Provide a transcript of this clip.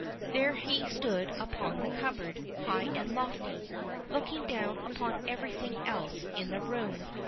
There he stood upon the cupboard, high and lofty, looking down upon everything else in the room.